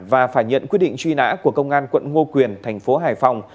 và phải nhận quyết định truy nã của công an quận ngo quyền thành phố hải phòng